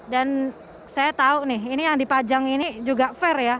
dan saya tahu nih ini yang dipajang ini juga fair ya